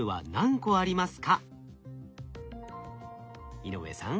井上さん